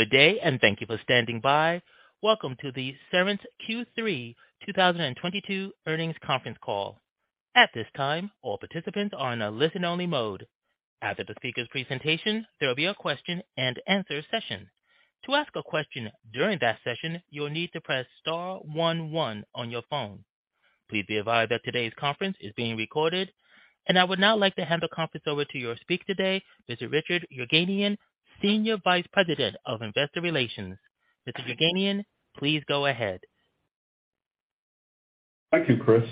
Good day, thank you for standing by. Welcome to the Cerence Q3 2022 earnings conference call. At this time, all participants are in a listen-only mode. After the speaker's presentation, there will be a question-and-answer session. To ask a question during that session, you'll need to press star one one on your phone. Please be advised that today's conference is being recorded. I would now like to hand the conference over to your speaker today, Mr. Richard Yerganian, Senior Vice President of Investor Relations. Mr. Yerganian, please go ahead. Thank you, Chris.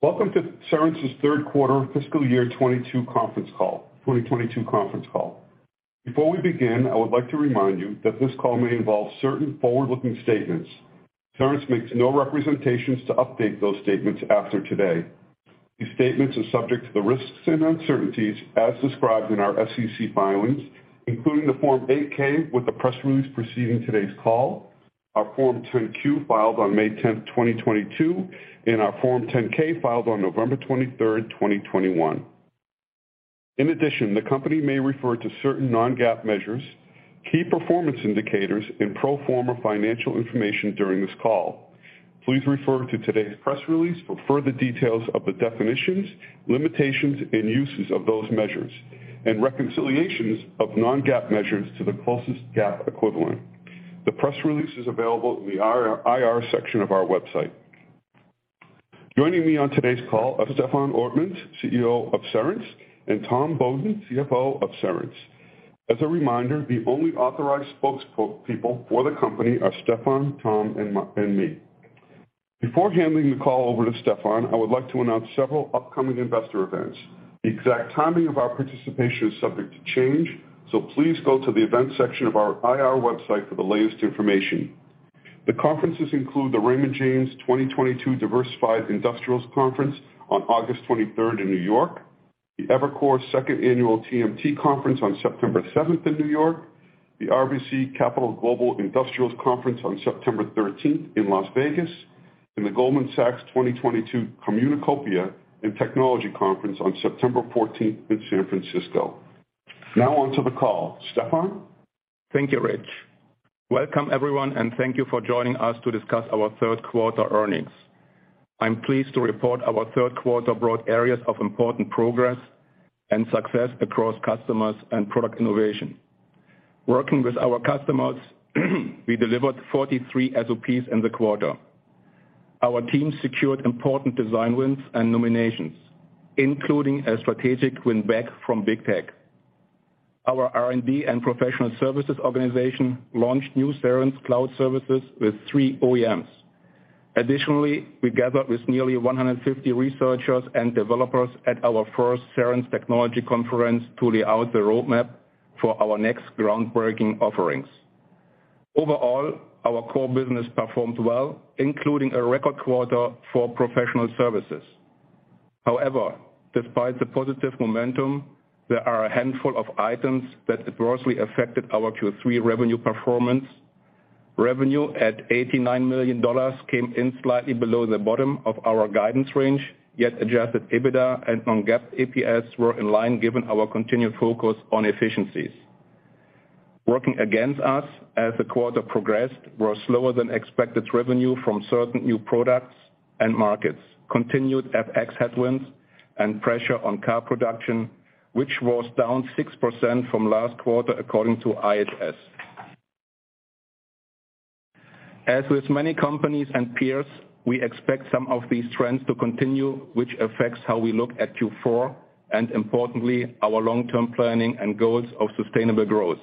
Welcome to Cerence's third quarter fiscal year 2022 conference call. Before we begin, I would like to remind you that this call may involve certain forward-looking statements. Cerence makes no representations to update those statements after today. These statements are subject to the risks and uncertainties as described in our SEC filings, including the Form 8-K with the press release preceding today's call, our Form 10-Q filed on May 10, 2022, and our Form 10-K filed on November 23, 2021. In addition, the company may refer to certain non-GAAP measures, key performance indicators, and pro forma financial information during this call. Please refer to today's press release for further details of the definitions, limitations, and uses of those measures and reconciliations of non-GAAP measures to the closest GAAP equivalent. The press release is available in the IR section of our website. Joining me on today's call are Stefan Ortmanns, CEO of Cerence, and Tom Beaudoin, CFO of Cerence. As a reminder, the only authorized spokespeople for the company are Stefan, Tom, and me. Before handing the call over to Stefan, I would like to announce several upcoming investor events. The exact timing of our participation is subject to change, so please go to the events section of our IR website for the latest information. The conferences include the Raymond James 2022 Diversified Industrials conference on August 23 in New York, the Evercore Second Annual TMT conference on September 7 in New York, the RBC Capital Global Industrials conference on September 13 in Las Vegas, and the Goldman Sachs 2022 Communacopia + Technology conference on September 14 in San Francisco. Now on to the call. Stefan? Thank you, Rich. Welcome, everyone, and thank you for joining us to discuss our third quarter earnings. I'm pleased to report our third quarter broad areas of important progress and success across customers and product innovation. Working with our customers, we delivered 43 SOPs in the quarter. Our team secured important design wins and nominations, including a strategic win-back from Big Tech. Our R&D and professional services organization launched new Cerence Cloud Services with three OEMs. Additionally, we gathered with nearly 150 researchers and developers at our first Cerence technology conference to lay out the roadmap for our next groundbreaking offerings. Overall, our core business performed well, including a record quarter for professional services. However, despite the positive momentum, there are a handful of items that adversely affected our Q3 revenue performance. Revenue at $89 million came in slightly below the bottom of our guidance range, yet Adjusted EBITDA and non-GAAP EPS were in line given our continued focus on efficiencies. Working against us as the quarter progressed were slower than expected revenue from certain new products and markets, continued FX headwinds and pressure on car production, which was down 6% from last quarter, according to IHS. As with many companies and peers, we expect some of these trends to continue, which affects how we look at Q4, and importantly, our long-term planning and goals of sustainable growth.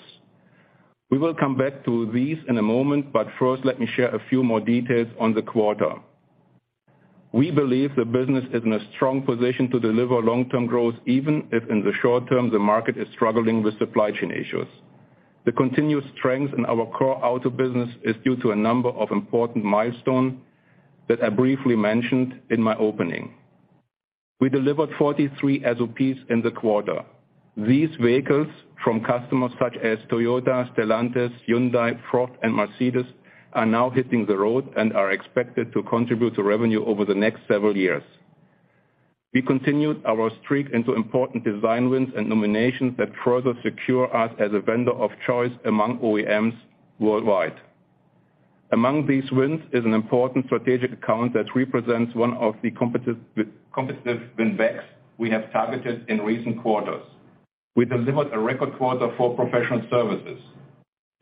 We will come back to these in a moment, but first let me share a few more details on the quarter. We believe the business is in a strong position to deliver long-term growth, even if in the short term, the market is struggling with supply chain issues. The continued strength in our core auto business is due to a number of important milestones that I briefly mentioned in my opening. We delivered 43 SOPs in the quarter. These vehicles from customers such as Toyota, Stellantis, Hyundai, Ford, and Mercedes are now hitting the road and are expected to contribute to revenue over the next several years. We continued our streak into important design wins and nominations that further secure us as a vendor of choice among OEMs worldwide. Among these wins is an important strategic account that represents one of the competitive win-backs we have targeted in recent quarters. We delivered a record quarter for professional services.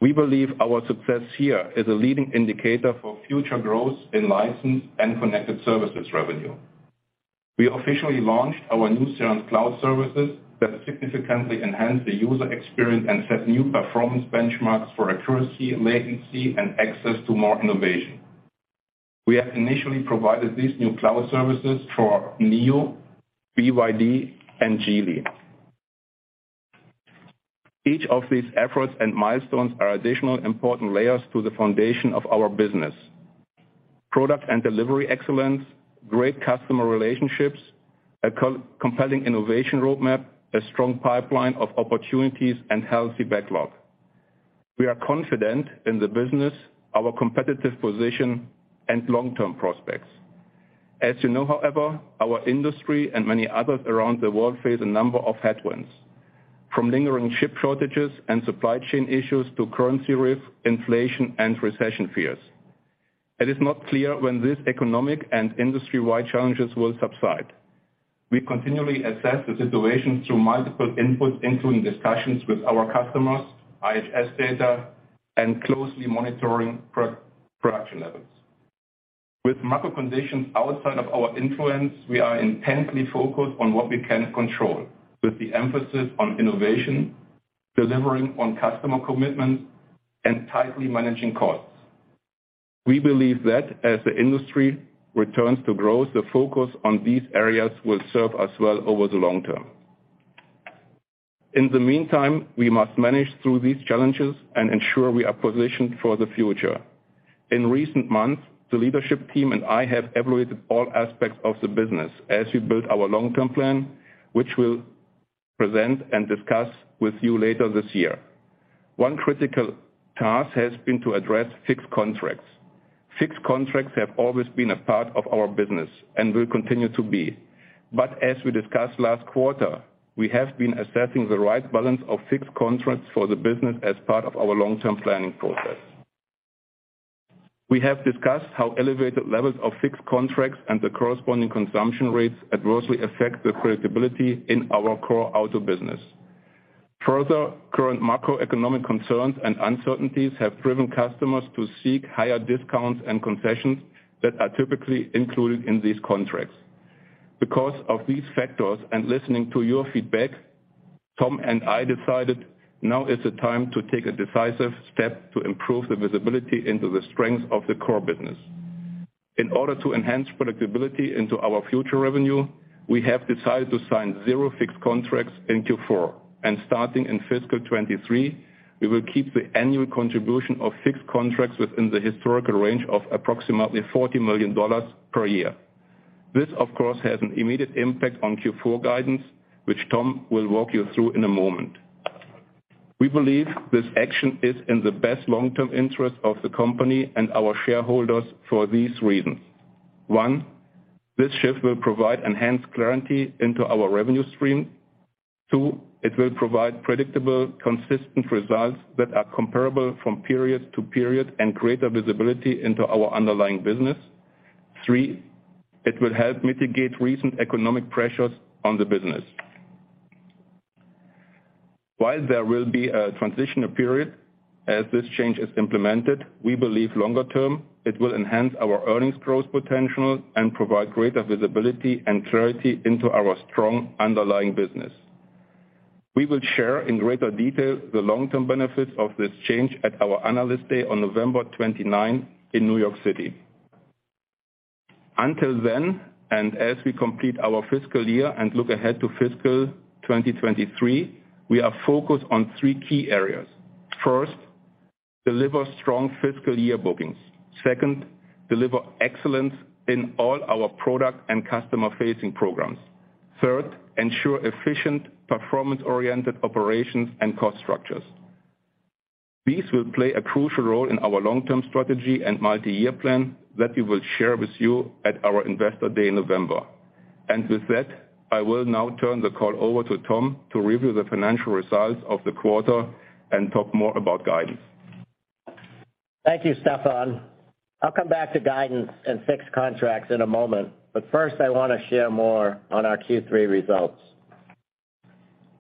We believe our success here is a leading indicator for future growth in license and connected services revenue. We officially launched our new Cerence Cloud Services that significantly enhance the user experience and set new performance benchmarks for accuracy, latency, and access to more innovation. We have initially provided these new cloud services for NIO, BYD, and GV. Each of these efforts and milestones are additional important layers to the foundation of our business. Product and delivery excellence, great customer relationships, a compelling innovation roadmap, a strong pipeline of opportunities, and healthy backlog. We are confident in the business, our competitive position, and long-term prospects. As you know, however, our industry and many others around the world face a number of headwinds, from lingering chip shortages and supply chain issues to currency risk, inflation, and recession fears. It is not clear when these economic and industry-wide challenges will subside. We continually assess the situation through multiple inputs, including discussions with our customers, IHS data, and closely monitoring production levels. With macro conditions outside of our influence, we are intently focused on what we can control, with the emphasis on innovation, delivering on customer commitments, and tightly managing costs. We believe that as the industry returns to growth, the focus on these areas will serve us well over the long term. In the meantime, we must manage through these challenges and ensure we are positioned for the future. In recent months, the leadership team and I have evaluated all aspects of the business as we build our long-term plan, which we'll present and discuss with you later this year. One critical task has been to address fixed contracts. Fixed contracts have always been a part of our business and will continue to be. As we discussed last quarter, we have been assessing the right balance of fixed contracts for the business as part of our long-term planning process. We have discussed how elevated levels of fixed contracts and the corresponding consumption rates adversely affect the predictability in our core auto business. Further, current macroeconomic concerns and uncertainties have driven customers to seek higher discounts and concessions that are typically included in these contracts. Because of these factors, and listening to your feedback, Tom and I decided now is the time to take a decisive step to improve the visibility into the strength of the core business. In order to enhance predictability into our future revenue, we have decided to sign zero fixed contracts in Q4. Starting in fiscal 2023, we will keep the annual contribution of fixed contracts within the historical range of approximately $40 million per year. This, of course, has an immediate impact on Q4 guidance, which Tom will walk you through in a moment. We believe this action is in the best long-term interest of the company and our shareholders for these reasons. One, this shift will provide enhanced clarity into our revenue stream. Two, it will provide predictable, consistent results that are comparable from period to period and greater visibility into our underlying business. Three, it will help mitigate recent economic pressures on the business. While there will be a transitional period as this change is implemented, we believe longer term, it will enhance our earnings growth potential and provide greater visibility and clarity into our strong underlying business. We will share in greater detail the long-term benefits of this change at our Analyst Day on November 29 in New York City. Until then, and as we complete our fiscal year and look ahead to fiscal 2023, we are focused on three key areas. First, deliver strong fiscal year bookings. Second, deliver excellence in all our product and customer-facing programs. Third, ensure efficient, performance-oriented operations and cost structures. These will play a crucial role in our long-term strategy and multi-year plan that we will share with you at our Investor Day in November. With that, I will now turn the call over to Tom to review the financial results of the quarter and talk more about guidance. Thank you, Stefan. I'll come back to guidance and fixed contracts in a moment, but first, I wanna share more on our Q3 results.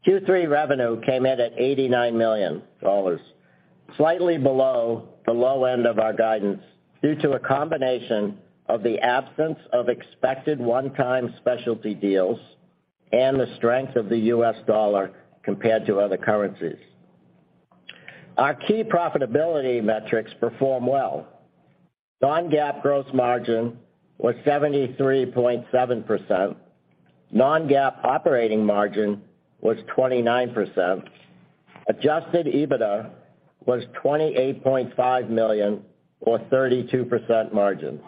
Q3 revenue came in at $89 million, slightly below the low end of our guidance due to a combination of the absence of expected one-time specialty deals and the strength of the U.S. dollar compared to other currencies. Our key profitability metrics perform well. Non-GAAP gross margin was 73.7%. Non-GAAP operating margin was 29%. Adjusted EBITDA was $28.5 million or 32% margin.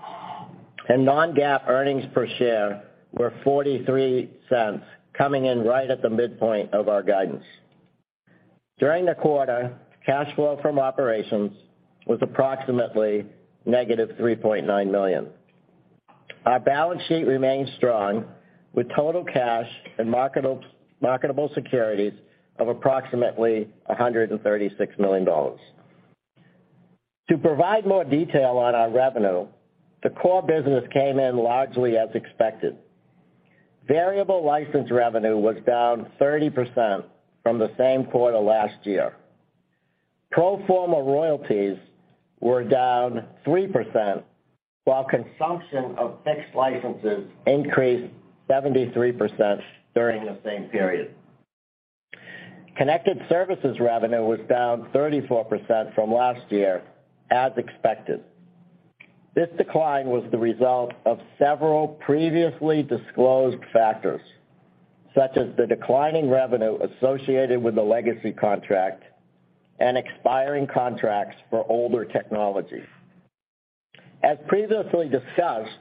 Non-GAAP earnings per share were $0.43, coming in right at the midpoint of our guidance. During the quarter, cash flow from operations was approximately -$3.9 million. Our balance sheet remains strong, with total cash and marketable securities of approximately $136 million. To provide more detail on our revenue, the core business came in largely as expected. Variable license revenue was down 30% from the same quarter last year. Pro forma royalties were down 3%, while consumption of fixed licenses increased 73% during the same period. Connected services revenue was down 34% from last year as expected. This decline was the result of several previously disclosed factors, such as the declining revenue associated with the legacy contract and expiring contracts for older technology. As previously discussed,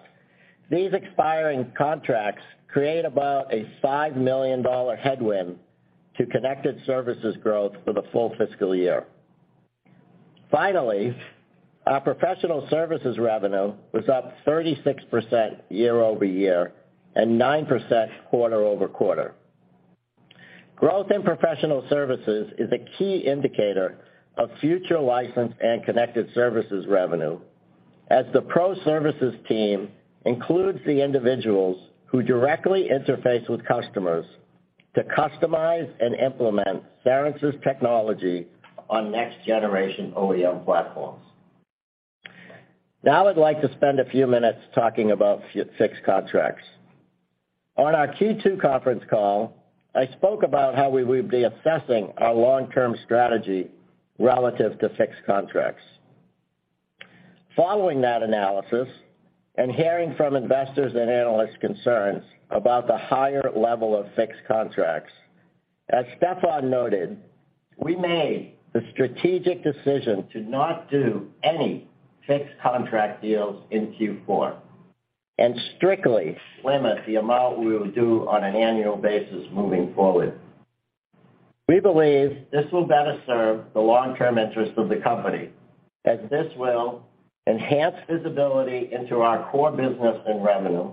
these expiring contracts create about a $5 million headwind to connected services growth for the full fiscal year. Finally, our professional services revenue was up 36% year-over-year and 9% quarter-over-quarter. Growth in professional services is a key indicator of future license and connected services revenue, as the pro services team includes the individuals who directly interface with customers to customize and implement Cerence's technology on next-generation OEM platforms. Now I'd like to spend a few minutes talking about fixed contracts. On our Q2 conference call, I spoke about how we would be assessing our long-term strategy relative to fixed contracts. Following that analysis, and hearing from investors' and analysts' concerns about the higher level of fixed contracts, as Stefan noted, we made the strategic decision to not do any fixed contract deals in Q4 and strictly limit the amount we will do on an annual basis moving forward. We believe this will better serve the long-term interests of the company, as this will enhance visibility into our core business and revenue,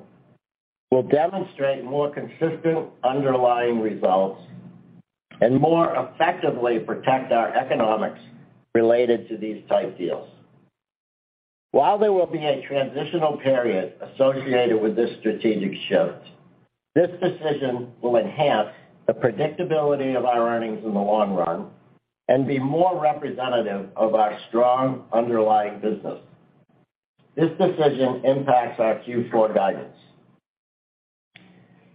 will demonstrate more consistent underlying results, and more effectively protect our economics related to these type deals. While there will be a transitional period associated with this strategic shift, this decision will enhance the predictability of our earnings in the long run and be more representative of our strong underlying business. This decision impacts our Q4 guidance.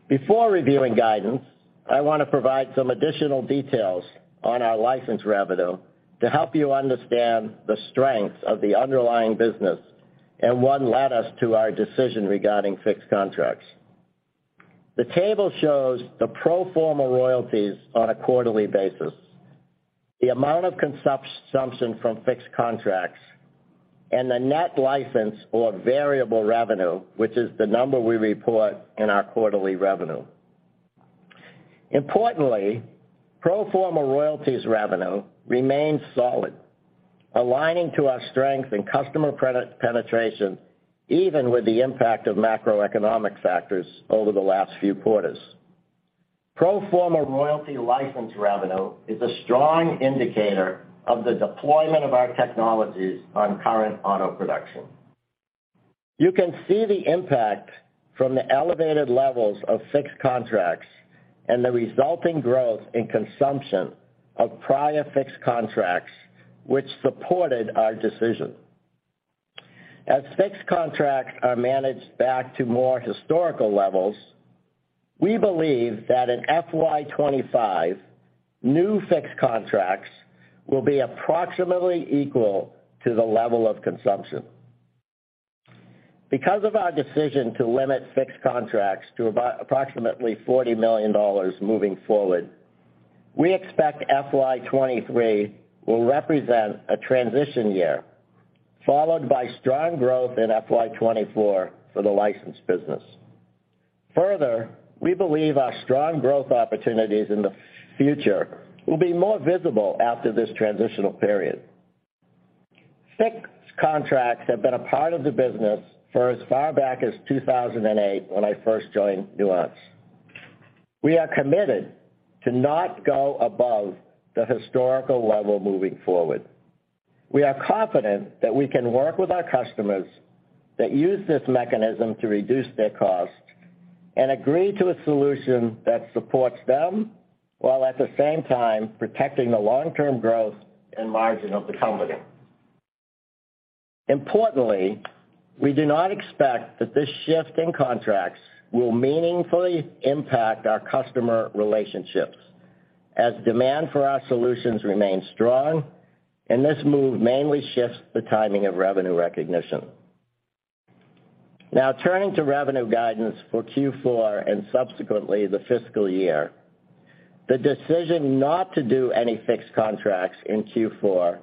Before reviewing guidance, I wanna provide some additional details on our license revenue to help you understand the strength of the underlying business and what led us to our decision regarding fixed contracts. The table shows the pro forma royalties on a quarterly basis, the amount of consumption from fixed contracts, and the net license or variable revenue, which is the number we report in our quarterly revenue. Importantly, pro forma royalties revenue remains solid, aligning to our strength in customer penetration, even with the impact of macroeconomic factors over the last few quarters. Pro forma royalty license revenue is a strong indicator of the deployment of our technologies on current auto production. You can see the impact from the elevated levels of fixed contracts and the resulting growth in consumption of prior fixed contracts, which supported our decision. As fixed contracts are managed back to more historical levels, we believe that in FY 2025, new fixed contracts will be approximately equal to the level of consumption. Because of our decision to limit fixed contracts to approximately $40 million moving forward, we expect FY 2023 will represent a transition year, followed by strong growth in FY 2024 for the license business. Further, we believe our strong growth opportunities in the future will be more visible after this transitional period. Fixed contracts have been a part of the business for as far back as 2008 when I first joined Nuance. We are committed to not go above the historical level moving forward. We are confident that we can work with our customers that use this mechanism to reduce their costs and agree to a solution that supports them, while at the same time protecting the long-term growth and margin of the company. Importantly, we do not expect that this shift in contracts will meaningfully impact our customer relationships, as demand for our solutions remains strong, and this move mainly shifts the timing of revenue recognition. Now, turning to revenue guidance for Q4 and subsequently the fiscal year. The decision not to do any fixed contracts in Q4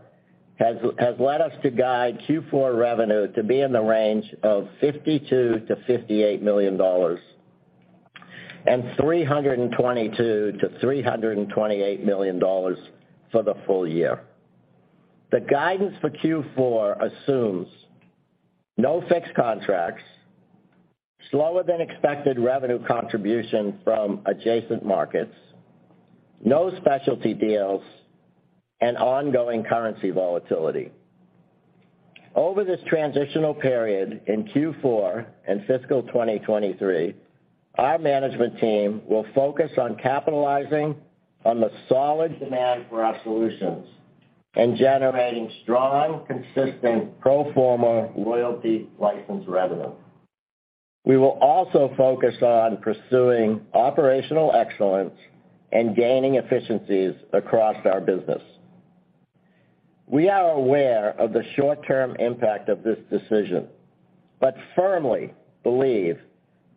has led us to guide Q4 revenue to be in the range of $52 million-$58 million and $322 million-$328 million for the full year. The guidance for Q4 assumes no fixed contracts, slower than expected revenue contribution from adjacent markets, no specialty deals, and ongoing currency volatility. Over this transitional period in Q4 and fiscal 2023, our management team will focus on capitalizing on the solid demand for our solutions and generating strong, consistent pro forma royalty license revenue. We will also focus on pursuing operational excellence and gaining efficiencies across our business. We are aware of the short-term impact of this decision, but firmly believe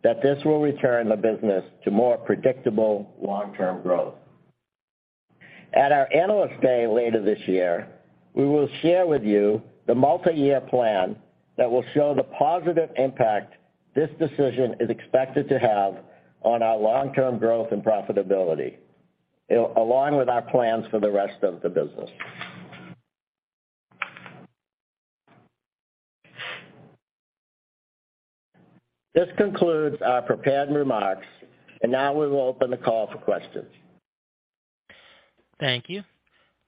that this will return the business to more predictable long-term growth. At our Analyst Day later this year, we will share with you the multiyear plan that will show the positive impact this decision is expected to have on our long-term growth and profitability, along with our plans for the rest of the business. This concludes our prepared remarks, and now we will open the call for questions. Thank you.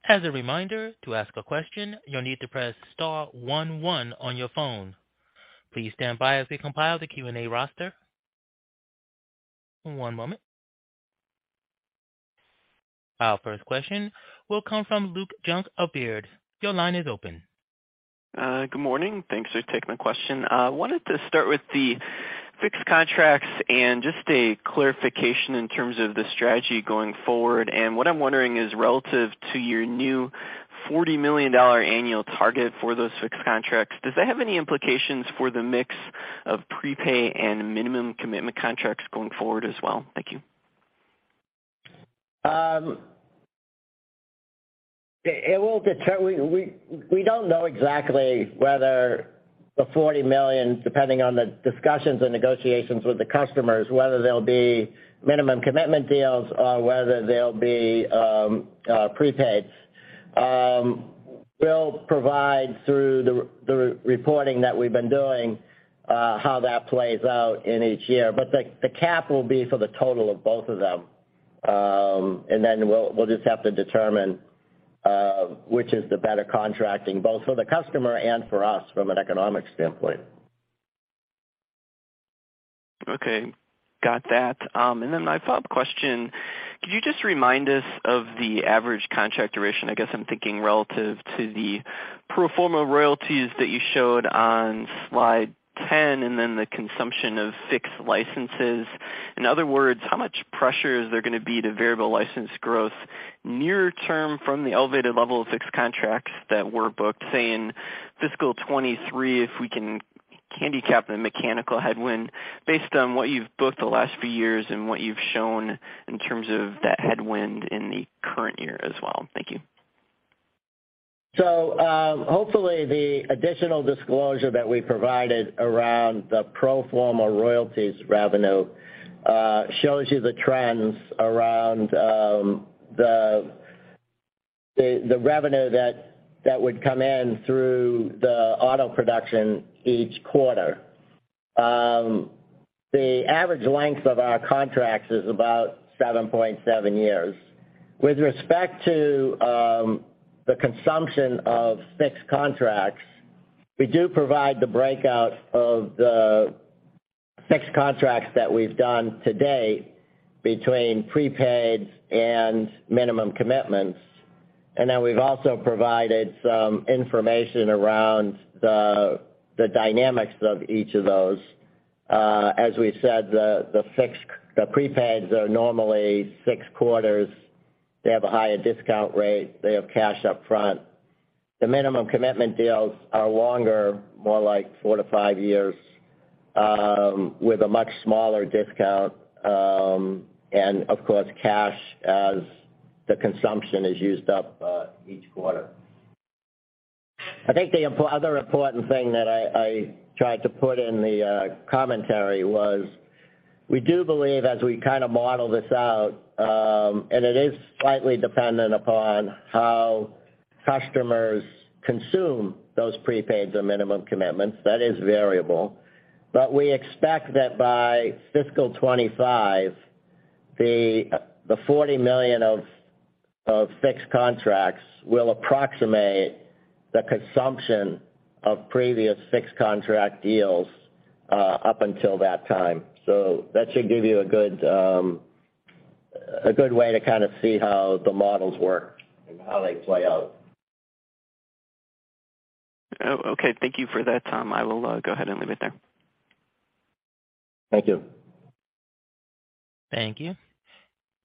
As a reminder, to ask a question, you'll need to press star one one on your phone. Please stand by as we compile the Q&A roster. One moment. Our first question will come from Luke Junk of Baird. Your line is open. Good morning. Thanks for taking the question. Wanted to start with the fixed contracts and just a clarification in terms of the strategy going forward. What I'm wondering is relative to your new $40 million annual target for those fixed contracts, does that have any implications for the mix of prepay and minimum commitment contracts going forward as well? Thank you. We don't know exactly whether the $40 million, depending on the discussions and negotiations with the customers, whether they'll be minimum commitment deals or whether they'll be prepaids. We'll provide through the reporting that we've been doing how that plays out in each year, but the cap will be for the total of both of them. We'll just have to determine which is the better contracting, both for the customer and for us from an economic standpoint. Okay. Got that. My follow-up question, could you just remind us of the average contract duration? I guess I'm thinking relative to the pro forma royalties that you showed on slide 10, and then the consumption of fixed licenses. In other words, how much pressure is there gonna be to variable license growth near term from the elevated level of fixed contracts that were booked, say, in fiscal 2023, if we can handicap the mechanical headwind based on what you've booked the last few years and what you've shown in terms of that headwind in the current year as well? Thank you. Hopefully the additional disclosure that we provided around the pro forma royalties revenue shows you the trends around the revenue that would come in through the auto production each quarter. The average length of our contracts is about 7.7 years. With respect to the consumption of fixed contracts, we do provide the breakout of the fixed contracts that we've done to date between prepaids and minimum commitments. We've also provided some information around the dynamics of each of those. As we said, the prepaids are normally six quarters. They have a higher discount rate. They have cash upfront. The minimum commitment deals are longer, more like four to five years with a much smaller discount, and of course, cash as the consumption is used up each quarter. I think the other important thing that I tried to put in the commentary was, we do believe as we kind of model this out, and it is slightly dependent upon how customers consume those prepaids or minimum commitments, that is variable, but we expect that by fiscal 2025, the $40 million of fixed contracts will approximate the consumption of previous fixed contract deals, up until that time. That should give you a good way to kind of see how the models work and how they play out. Oh, okay. Thank you for that, Tom. I will go ahead and leave it there. Thank you. Thank you.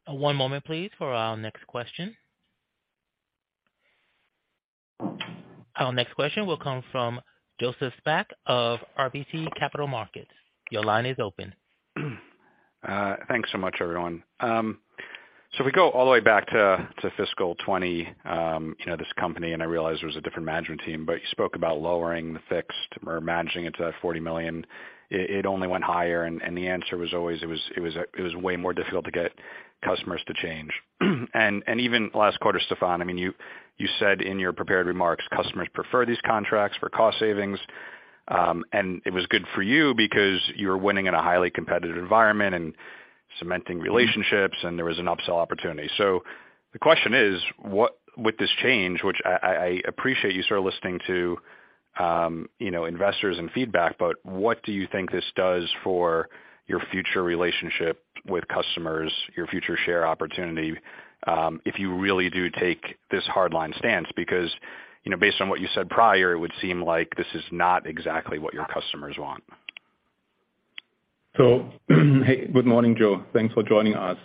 One moment, please, for our next question. Our next question will come from Joseph Spak of RBC Capital Markets. Your line is open. Thanks so much, everyone. If we go all the way back to fiscal 2020, you know, this company, and I realize it was a different management team, but you spoke about lowering the fixed cost or managing it to that $40 million. It only went higher, and the answer was always it was way more difficult to get customers to change. Even last quarter, Stefan, I mean, you said in your prepared remarks, customers prefer these contracts for cost savings, and it was good for you because you're winning in a highly competitive environment and cementing relationships, and there was an upsell opportunity. The question is, what with this change, which I appreciate you sort of listening to, you know, investors and feedback, but what do you think this does for your future relationship with customers, your future share opportunity, if you really do take this hard line stance? Because, you know, based on what you said prior, it would seem like this is not exactly what your customers want. Hey, good morning, Joe. Thanks for joining us.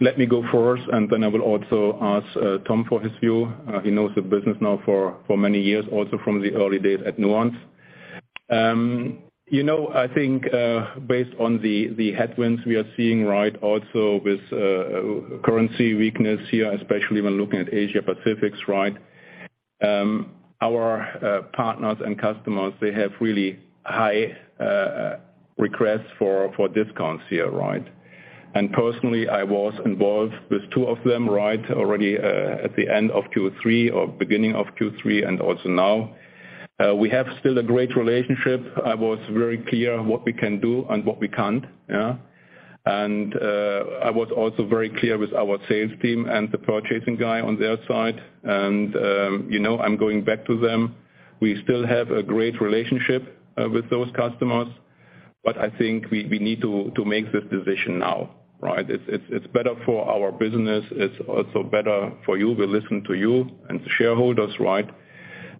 Let me go first, and then I will also ask Tom for his view. He knows the business now for many years, also from the early days at Nuance. You know, I think based on the headwinds we are seeing, right, also with currency weakness here, especially when looking at Asia Pacific's, right? Our partners and customers, they have really high requests for discounts here, right? Personally, I was involved with two of them, right, already at the end of Q3 or beginning of Q3 and also now. We have still a great relationship. I was very clear on what we can do and what we can't. Yeah. I was also very clear with our sales team and the purchasing guy on their side. You know, I'm going back to them. We still have a great relationship with those customers, but I think we need to make this decision now, right? It's better for our business. It's also better for you. We listen to you and to shareholders, right?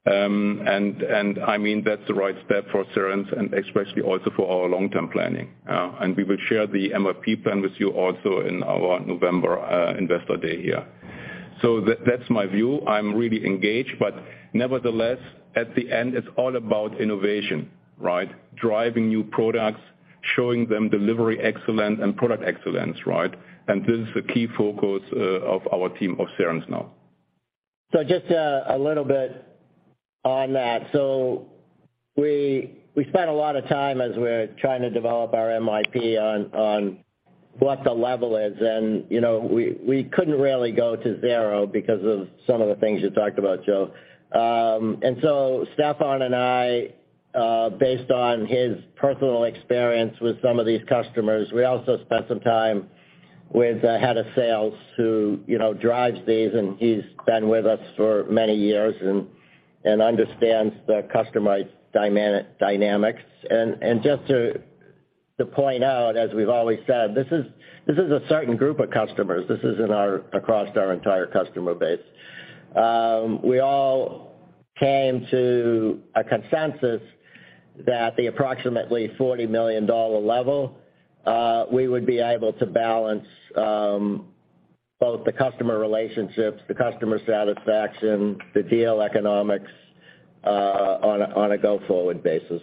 I mean, that's the right step for Cerence and especially also for our long-term planning. We will share the MIP plan with you also in our November Investor Day here. That's my view. I'm really engaged. Nevertheless, at the end, it's all about innovation, right? Driving new products, showing them delivery excellence and product excellence, right? This is the key focus of our team of Cerence now. Just a little bit on that. We spent a lot of time as we're trying to develop our MIP on what the level is. You know, we couldn't really go to zero because of some of the things you talked about, Joe. Stefan and I, based on his personal experience with some of these customers, we also spent some time with the head of sales who, you know, drives these, and he's been with us for many years and understands the customer dynamics. Just to point out, as we've always said, this is a certain group of customers. This isn't across our entire customer base. We all came to a consensus that the approximately $40 million level, we would be able to balance both the customer relationships, the customer satisfaction, the deal economics, on a go-forward basis.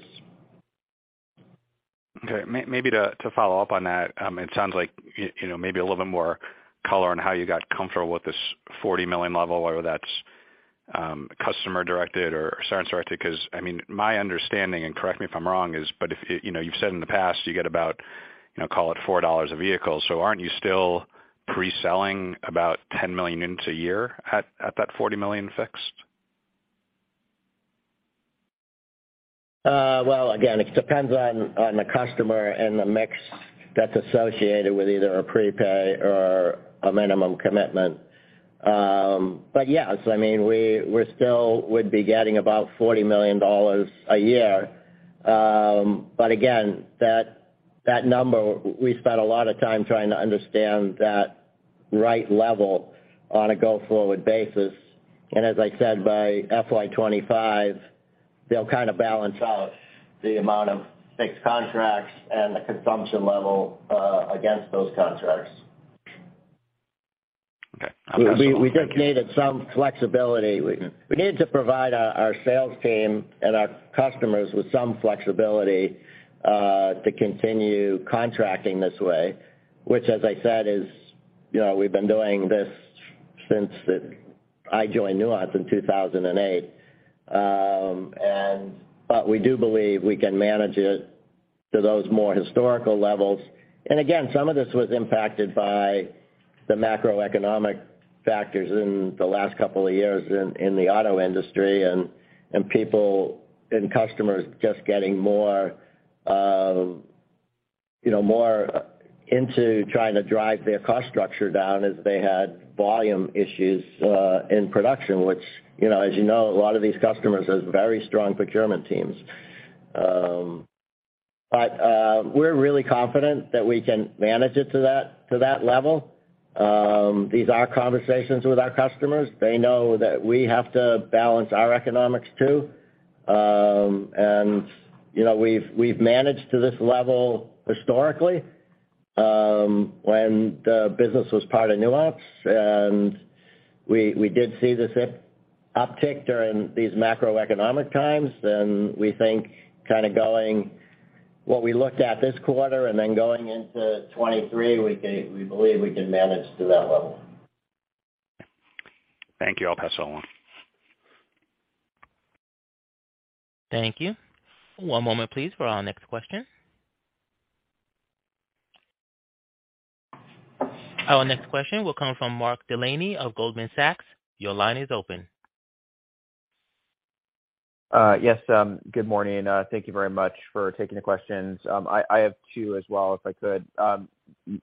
Maybe to follow up on that, it sounds like, you know, maybe a little bit more color on how you got comfortable with this $40 million level, whether that's customer-directed or Cerence-directed because, I mean, my understanding, and correct me if I'm wrong, is but if, you know, you've said in the past you get about, you know, call it $4 a vehicle. So aren't you still pre-selling about $10 million into a year at that $40 million fixed? Well, again, it depends on the customer and the mix that's associated with either a prepay or a minimum commitment. But yes, I mean, we're still would be getting about $40 million a year. But again, that number, we spent a lot of time trying to understand that right level on a go-forward basis. As I said, by FY 2025, they'll kind of balance out the amount of fixed contracts and the consumption level against those contracts. Okay. We just needed some flexibility. We needed to provide our sales team and our customers with some flexibility to continue contracting this way, which as I said is, you know, we've been doing this since I joined Nuance in 2008. But we do believe we can manage it to those more historical levels. Again, some of this was impacted by the macroeconomic factors in the last couple of years in the auto industry and people and customers just getting more, you know, more into trying to drive their cost structure down as they had volume issues in production, which, you know, as you know, a lot of these customers has very strong procurement teams. We're really confident that we can manage it to that level. These are conversations with our customers. They know that we have to balance our economics too. You know, we've managed to this level historically, when the business was part of Nuance, and we did see this uptick during these macroeconomic times. We think kind of going what we looked at this quarter and then going into 2023, we believe we can manage to that level. Thank you. I'll pass it on. Thank you. One moment please for our next question. Our next question will come from Mark Delaney of Goldman Sachs. Your line is open. Yes, good morning. Thank you very much for taking the questions. I have two as well, if I could.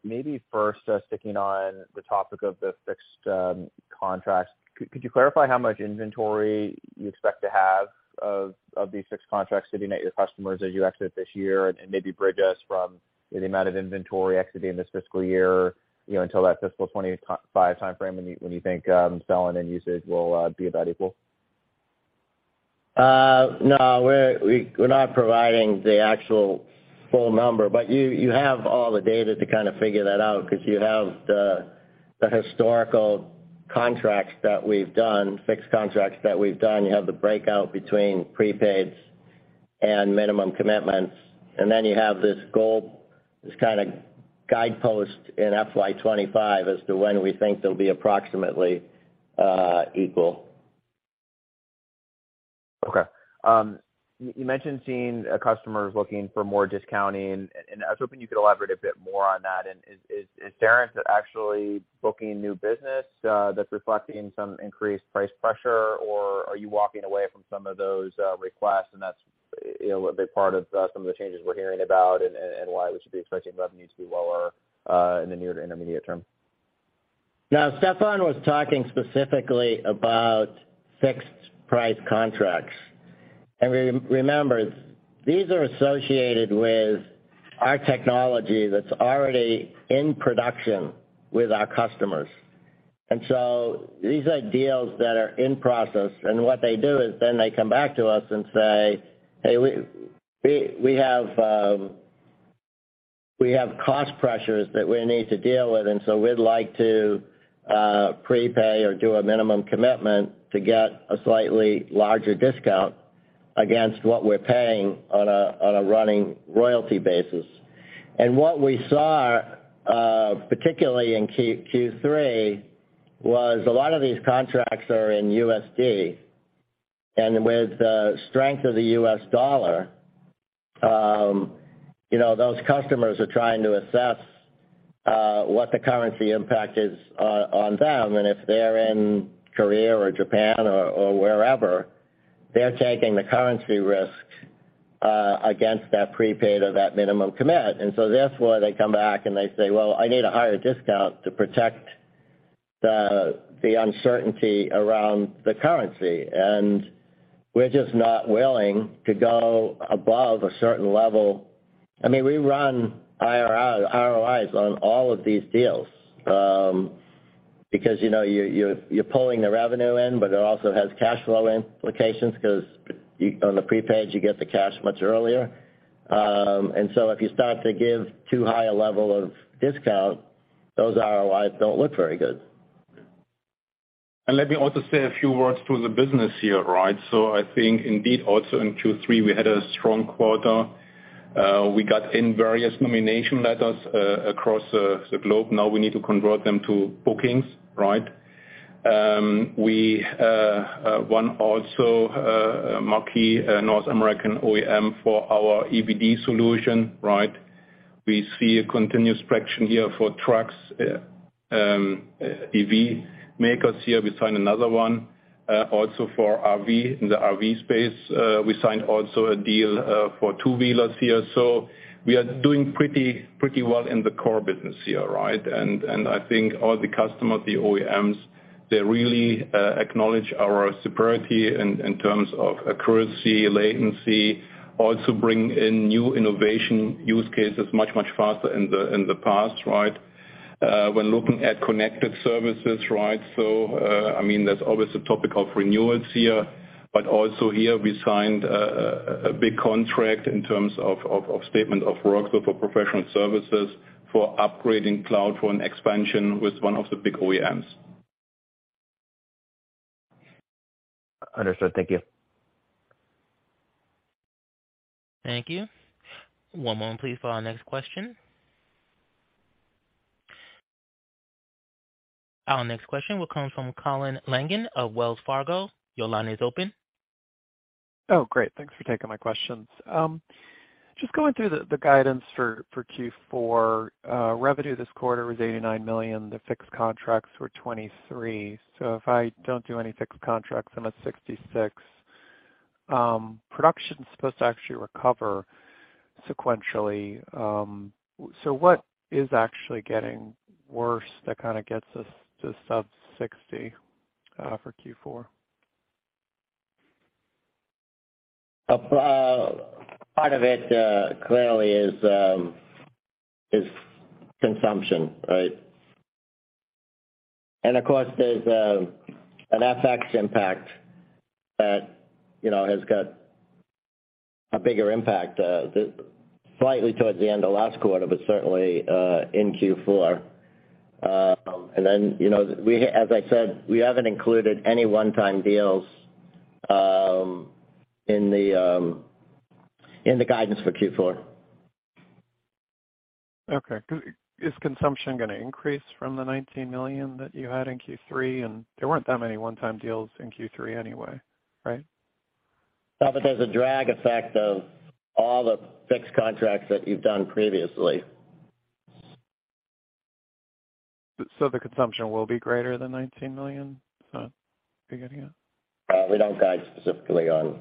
Maybe first, sticking on the topic of the fixed contracts. Could you clarify how much inventory you expect to have of these fixed contracts sitting at your customers as you exit this year? Maybe bridge us from the amount of inventory exiting this fiscal year, you know, until that fiscal 2025 time frame when you think selling and usage will be about equal? No. We're not providing the actual full number, but you have all the data to kind of figure that out 'cause you have the historical contracts that we've done, fixed contracts that we've done. You have the breakout between prepaids and minimum commitments. You have this goal, this kind of guidepost in FY 2025 as to when we think they'll be approximately equal. Okay. You mentioned seeing customers looking for more discounting, and I was hoping you could elaborate a bit more on that. Is Cerence actually booking new business that's reflecting some increased price pressure, or are you walking away from some of those requests, and that's, you know, a big part of some of the changes we're hearing about and why we should be expecting revenue to be lower in the near to intermediate term? No, Stefan was talking specifically about fixed price contracts. Remember, these are associated with our technology that's already in production with our customers. These are deals that are in process, and what they do is then they come back to us and say, "Hey, we have cost pressures that we need to deal with, and so we'd like to prepay or do a minimum commitment to get a slightly larger discount against what we're paying on a running royalty basis." What we saw, particularly in Q3, was a lot of these contracts are in USD. With the strength of the U.S. dollar, you know, those customers are trying to assess what the currency impact is on them. If they're in Korea or Japan or wherever, they're taking the currency risk against that prepaid or that minimum commit. Therefore, they come back, and they say, "Well, I need a higher discount to protect the uncertainty around the currency." We're just not willing to go above a certain level. I mean, we run our ROIs on all of these deals because, you know, you're pulling the revenue in, but it also has cash flow implications 'cause on the prepaid, you get the cash much earlier. If you start to give too high a level of discount, those ROIs don't look very good. Let me also say a few words to the business here, right? I think indeed, also in Q3, we had a strong quarter. We got in various nomination letters across the globe. Now we need to convert them to bookings, right? We won also a marquee North American OEM for our EVD solution, right? We see a continuous traction here for trucks, EV makers here. We signed another one also for RV in the RV space. We signed also a deal for two-wheelers here. So we are doing pretty well in the core business here, right? I think all the customers, the OEMs, they really acknowledge our superiority in terms of accuracy, latency, also bring in new innovation use cases much faster in the past, right? When looking at connected services, right? I mean, that's always a topic of renewals here. Also here, we signed a big contract in terms of statement of work, so for professional services, for upgrading cloud for an expansion with one of the big OEMs. Understood. Thank you. Thank you. One moment please for our next question. Our next question will come from Colin Langan of Wells Fargo. Your line is open. Great. Thanks for taking my questions. Just going through the guidance for Q4, revenue this quarter was $89 million. The fixed contracts were $23 million. If I don't do any fixed contracts, I'm at $66 million. Production's supposed to actually recover sequentially. What is actually getting worse that kinda gets us to sub-$60 million for Q4? Part of it clearly is consumption, right? Of course, there's an FX impact that, you know, has got a bigger impact slightly towards the end of last quarter, but certainly in Q4. You know, as I said, we haven't included any one-time deals in the guidance for Q4. Okay. Cash consumption gonna increase from the $19 million that you had in Q3? There weren't that many one-time deals in Q3 anyway, right? No, but there's a drag effect of all the fixed contracts that you've done previously. The consumption will be greater than $19 million? Is that what you're getting at? We don't guide specifically on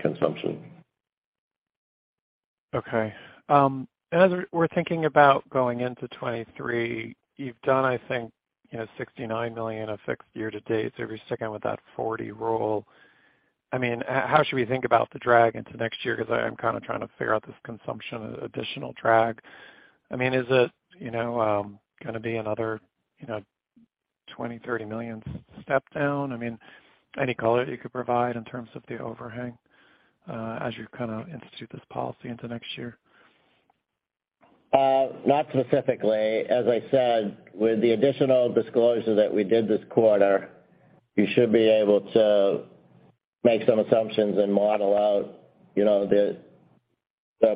consumption. Okay. As we're thinking about going into 2023, you've done, I think, you know, $69 million of fiscal year to date. So if you're sticking with that 40 rule, I mean, how should we think about the drag into next year? beause I am kinda trying to figure out this consumption additional drag. I mean, is it, you know, gonna be another, you know, $20million-$30 million step down? I mean, any color you could provide in terms of the overhang, as you kinda institute this policy into next year? Not specifically. As I said, with the additional disclosure that we did this quarter, you should be able to make some assumptions and model out, you know, the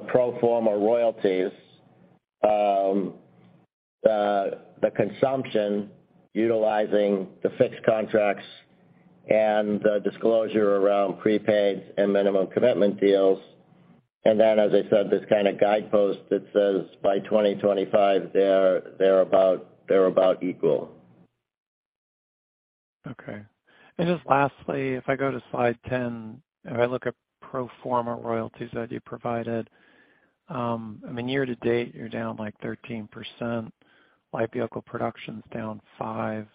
pro forma royalties, the consumption utilizing the fixed contracts and the disclosure around prepaid and minimum commitment deals. As I said, this kind of guidepost that says by 2025 they're about equal. Okay. Just lastly, if I go to slide 10 and I look at pro forma royalties that you provided, I mean year to date you're down like 13%. Light vehicle production's down 5%.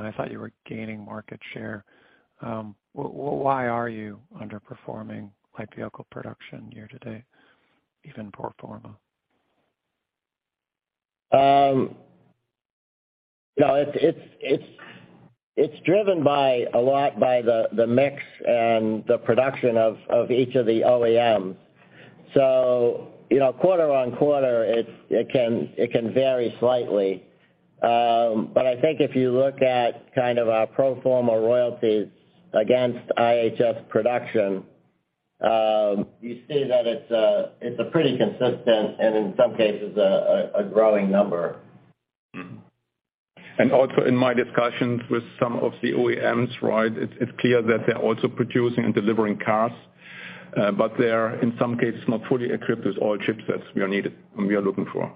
I thought you were gaining market share. Why are you underperforming light vehicle production year to date, even pro forma? No, it's driven by a lot by the mix and the production of each of the OEMs. You know, quarter-over-quarter it can vary slightly. I think if you look at kind of our pro forma royalties against IHS production, you see that it's a pretty consistent and in some cases a growing number. Also in my discussions with some of the OEMs, right, it's clear that they're also producing and delivering cars, but they are in some cases not fully equipped with all chipsets we are needed and we are looking for.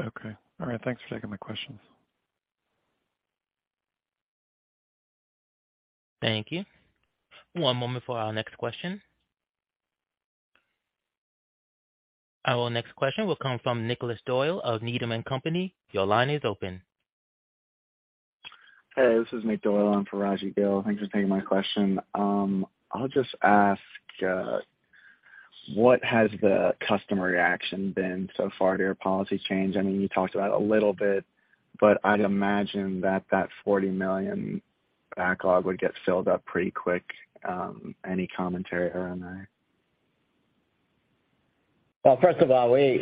Okay. All right. Thanks for taking my questions. Thank you. One moment for our next question. Our next question will come from Nick Doyle of Needham & Company. Your line is open. Hey, this is Nick Doyle in for Rajvindra Gill. Thanks for taking my question. I'll just ask what has the customer reaction been so far to your policy change? I mean, you talked about a little bit, but I'd imagine that $40 million backlog would get filled up pretty quick. Any commentary around there? Well, first of all, they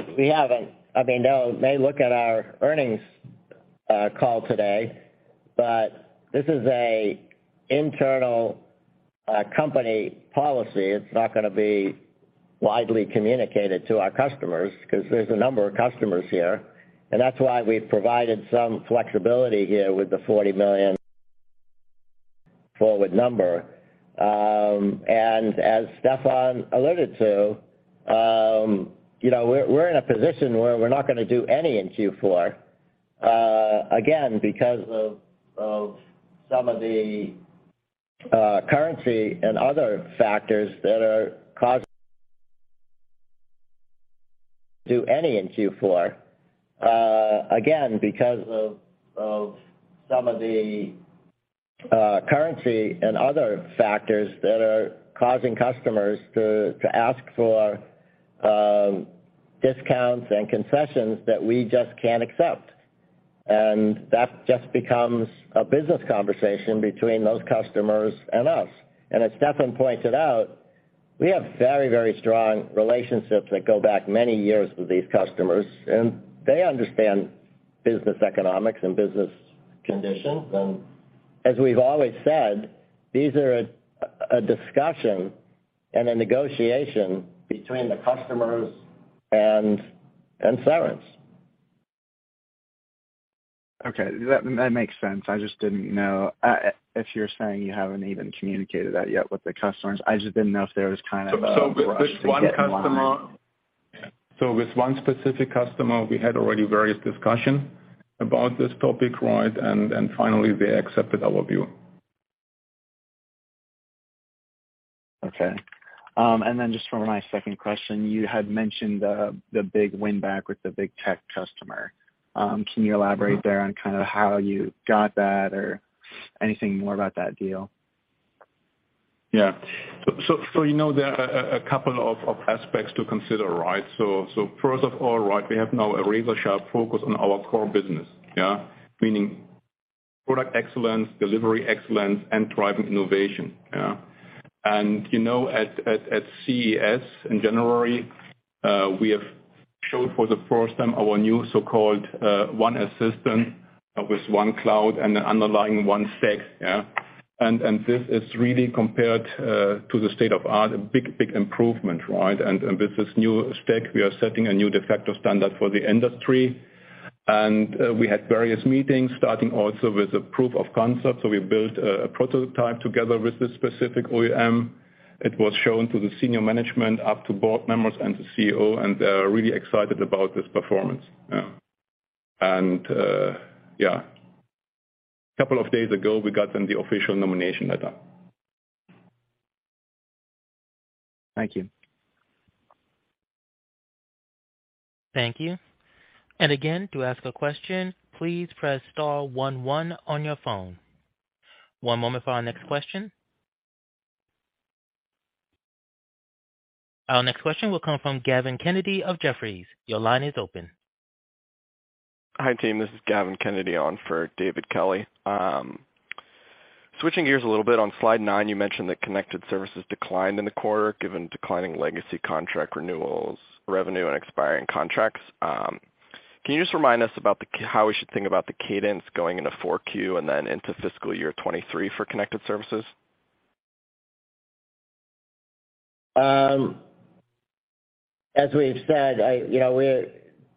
look at our earnings call today, but this is an internal company policy. It's not gonna be widely communicated to our customers 'cause there's a number of customers here, and that's why we've provided some flexibility here with the $40 million forward number. As Stefan alluded to, you know, we're in a position where we're not gonna do any in Q4, again, because of some of the currency and other factors that are causing customers to ask for discounts and concessions that we just can't accept. That just becomes a business conversation between those customers and us. As Stefan pointed out, we have very, very strong relationships that go back many years with these customers and they understand business economics and business conditions. As we've always said, these are a discussion and a negotiation between the customers and Cerence. Okay, that makes sense. I just didn't know. If you're saying you haven't even communicated that yet with the customers, I just didn't know if there was kind of a rush to get in line. with one specific customer, we had already various discussion about this topic, right? Finally they accepted our view. Okay. Just for my second question, you had mentioned the big win back with the big tech customer. Can you elaborate there on kind of how you got that or anything more about that deal? Yeah, you know, there are a couple of aspects to consider, right? First of all, right, we have now a razor-sharp focus on our core business, yeah? Meaning product excellence, delivery excellence, and driving innovation, yeah? You know, at CES in January, we have showed for the first time our new so-called one assistant with one cloud and the underlying one stack, yeah? This is really compared to the state of the art a big improvement, right? With this new stack we are setting a new de facto standard for the industry. We had various meetings starting also with a proof of concept. We built a prototype together with this specific OEM. It was shown to the senior management, up to board members and to CEO, and they're really excited about this performance. Couple of days ago, we got them the official nomination letter. Thank you. Thank you. Again, to ask a question, please press star one one on your phone. One moment for our next question. Our next question will come from Gavin Kennedy of Jefferies. Your line is open. Hi team, this is Gavin Kennedy on for David Kelley. Switching gears a little bit, on slide nine, you mentioned that connected services declined in the quarter given declining legacy contract renewals, revenue and expiring contracts. Can you just remind us about how we should think about the cadence going into 4Q and then into fiscal year 2023 for connected services? As we've said, you know,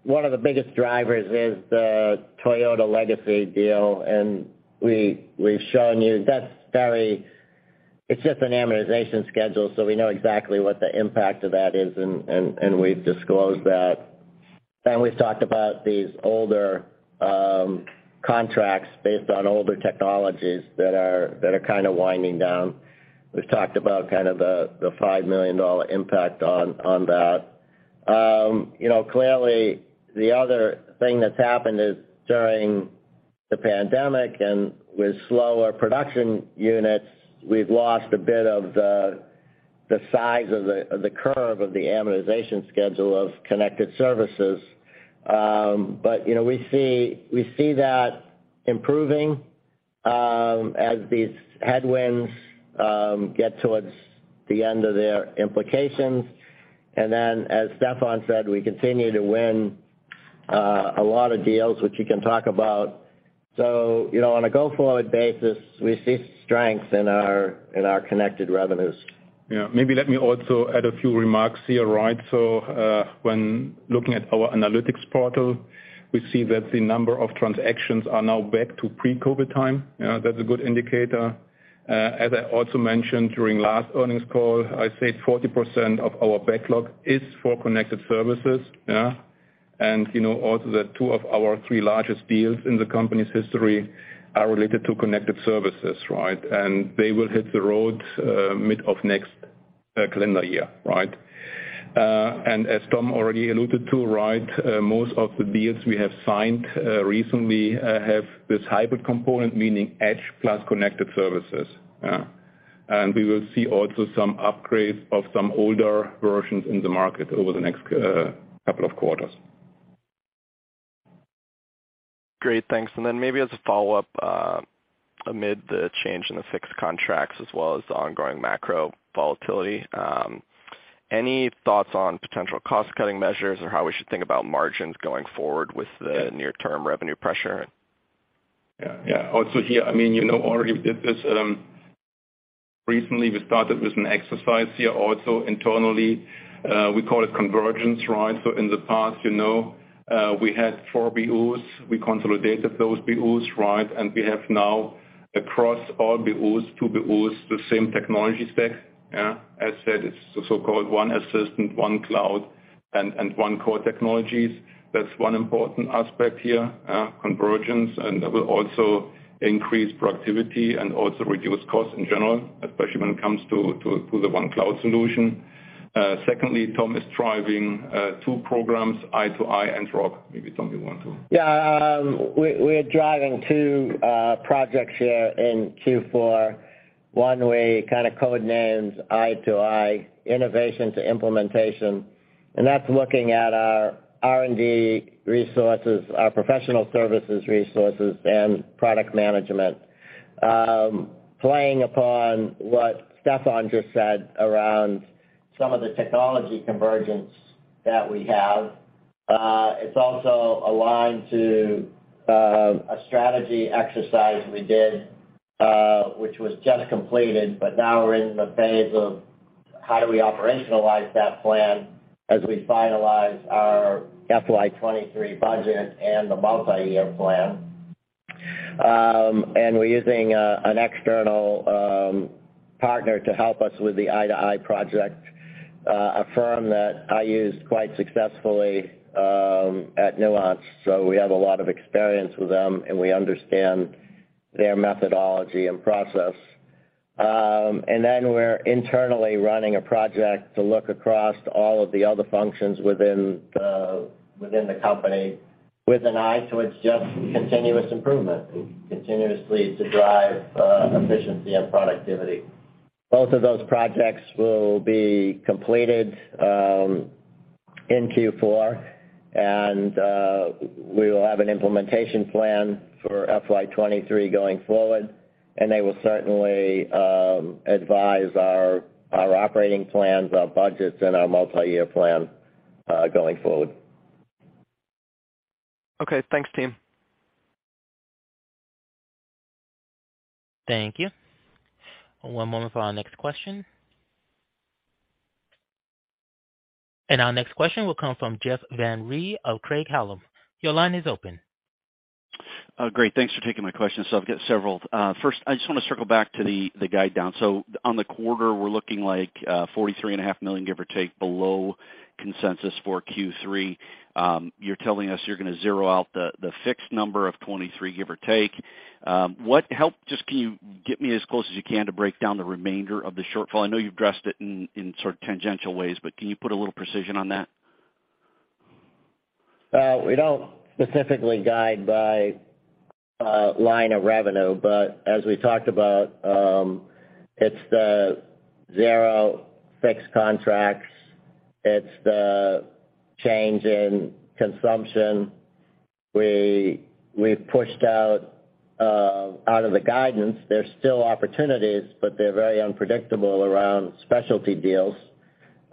one of the biggest drivers is the Toyota legacy deal, and we've shown you that's very. It's just an amortization schedule, so we know exactly what the impact of that is, and we've disclosed that. We've talked about these older contracts based on older technologies that are kinda winding down. We've talked about kind of the $5 million impact on that. You know, clearly the other thing that's happened is during the pandemic and with slower production units, we've lost a bit of the size of the curve of the amortization schedule of connected services. You know, we see that improving as these headwinds get towards the end of their implications. As Stefan said, we continue to win a lot of deals which you can talk about. You know, on a go-forward basis, we see strength in our connected revenues. Yeah. Maybe let me also add a few remarks here, right? When looking at our analytics portal, we see that the number of transactions are now back to pre-COVID time. That's a good indicator. As I also mentioned during last earnings call, I say 40% of our backlog is for connected services. Yeah. You know, also the two of our three largest deals in the company's history are related to connected services, right? They will hit the road, mid of next calendar year, right? As Tom already alluded to, right, most of the deals we have signed, recently, have this hybrid component, meaning Edge plus connected services. Yeah. We will see also some upgrades of some older versions in the market over the next couple of quarters. Great. Thanks. Maybe as a follow-up, amid the change in the fixed contracts as well as the ongoing macro volatility, any thoughts on potential cost-cutting measures or how we should think about margins going forward with the near-term revenue pressure? Yeah. Yeah. Also here, I mean, you know, already did this recently we started with an exercise here also internally. We call it convergence, right? In the past, you know, we had four BUs. We consolidated those BUs, right? We have now across all BUs, two BUs, the same technology stack. Yeah. As said, it's the so-called one assistant, one cloud and one core technologies. That's one important aspect here, convergence, and that will also increase productivity and also reduce costs in general, especially when it comes to the one cloud solution. Secondly, Tom is driving two programs, i2i and ROC. Maybe Tom you want to- Yeah. We're driving 2 projects here in Q4. One we kinda code-named i2i, innovation to implementation, and that's looking at our R&D resources, our professional services resources and product management. Playing upon what Stefan just said around some of the technology convergence that we have, it's also aligned to a strategy exercise we did, which was just completed, but now we're in the phase of how do we operationalize that plan as we finalize our FY 2023 budget and the multi-year plan. We're using an external partner to help us with the I2I project, a firm that I used quite successfully at Nuance, so we have a lot of experience with them, and we understand their methodology and process. We're internally running a project to look across all of the other functions within the company with an eye towards just continuous improvement and continuously to drive efficiency and productivity. Both of those projects will be completed in Q4, and we will have an implementation plan for FY 2023 going forward, and they will certainly advise our operating plans, our budgets and our multi-year plan going forward. Okay. Thanks, team. Thank you. One moment for our next question. Our next question will come from Jeff Van Rhee of Craig-Hallum. Your line is open. Great. Thanks for taking my question. I've got several. First, I just wanna circle back to the guide down. On the quarter, we're looking like $43.5 million, give or take, below consensus for Q3. You're telling us you're gonna zero out the fixed number of $23 million, give or take. Just can you get me as close as you can to break down the remainder of the shortfall? I know you've addressed it in sort of tangential ways, but can you put a little precision on that? We don't specifically guide by line of revenue. As we talked about, it's the zero fixed contracts, it's the change in consumption. We've pushed out of the guidance. There's still opportunities, but they're very unpredictable around specialty deals.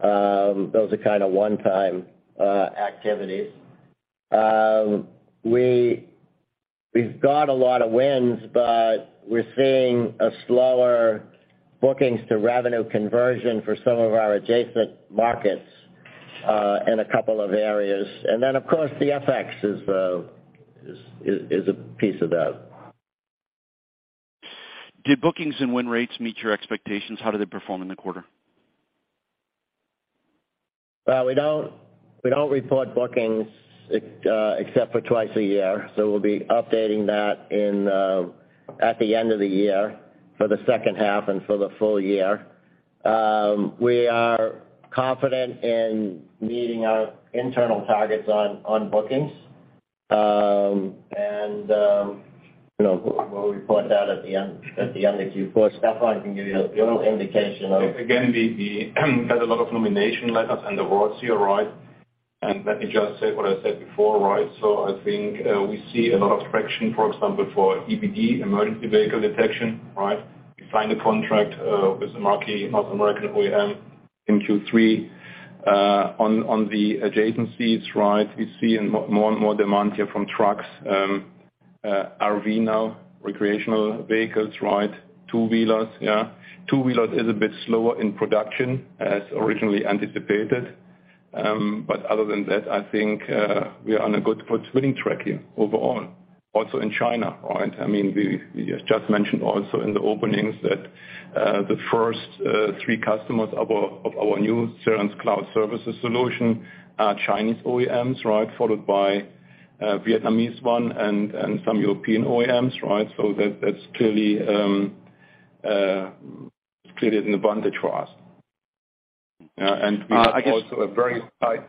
Those are kinda one-time activities. We've got a lot of wins, but we're seeing a slower bookings to revenue conversion for some of our adjacent markets in a couple of areas. Of course, the FX is a piece of that. Did bookings and win rates meet your expectations? How did it perform in the quarter? We don't report bookings except for twice a year. We'll be updating that in at the end of the year for the second half and for the full year. We are confident in meeting our internal targets on bookings. You know, we'll report that at the end of Q4. Stefan can give you a little indication of. Again, we had a lot of nomination letters and awards here, right? Let me just say what I said before, right? I think we see a lot of traction, for example, for EVD, Emergency Vehicle Detection, right? We signed a contract with the marquee North American OEM in Q3. On the adjacencies, right, we see more and more demand here from trucks, RV now, recreational vehicles, right? Two-wheelers, yeah. Two-wheelers is a bit slower in production as originally anticipated. Other than that, I think we are on a good foot winning track here overall, also in China. Right. I mean, we just mentioned also in the openings that the first three customers of our new Cerence Cloud Services solution are Chinese OEMs, right? Followed by a Vietnamese one and some European OEMs, right? That's clearly an advantage for us. We have also a very high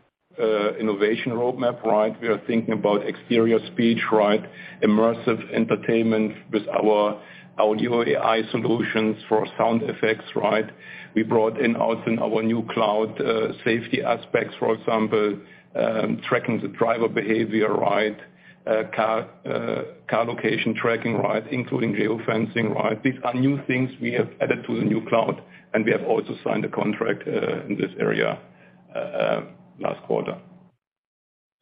innovation roadmap, right? We are thinking about exterior speech, right? Immersive entertainment with our Audio AI solutions for sound effects, right? We brought in also our new cloud safety aspects, for example, tracking the driver behavior, right? Car location tracking, right? Including geofencing, right? These are new things we have added to the new cloud, and we have also signed a contract in this area last quarter.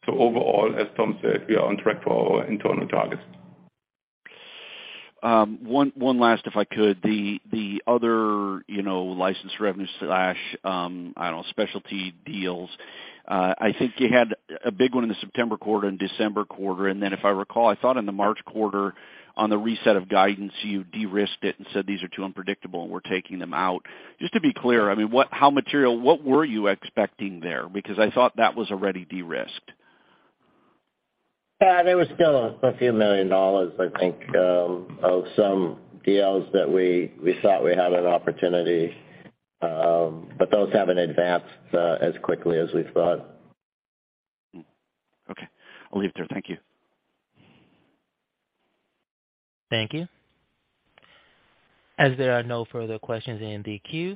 Overall, as Tom said, we are on track for our internal targets. One last, if I could. The other, you know, license revenue slash, I don't know, specialty deals, I think you had a big one in the September quarter and December quarter. Then if I recall, I thought in the March quarter on the reset of guidance, you de-risked it and said, "These are too unpredictable and we're taking them out." Just to be clear, I mean, what, how material, what were you expecting there? Because I thought that was already de-risked. There was still a few million dollars, I think, of some deals that we thought we had an opportunity, but those haven't advanced as quickly as we thought. Okay. I'll leave it there. Thank you. Thank you. As there are no further questions in the queue,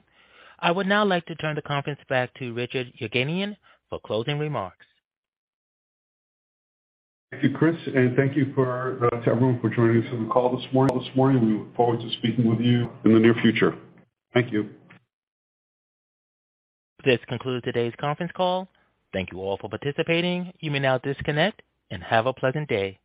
I would now like to turn the conference back to Richard Yerganian for closing remarks. Thank you, Chris. Thank you to everyone for joining us on the call this morning. We look forward to speaking with you in the near future. Thank you. This concludes today's conference call. Thank you all for participating. You may now disconnect and have a pleasant day.